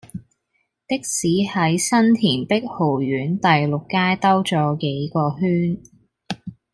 的士喺新田碧豪苑第六街兜左幾個圈